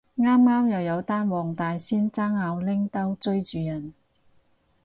啱啱又有單黃大仙爭拗拎刀追住人